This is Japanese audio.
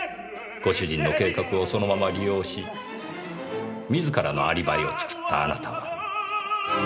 ご主人の計画をそのまま利用し自らのアリバイを作ったあなたは。